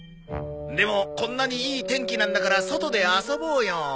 でもこんなにいい天気なんだから外で遊ぼうよ。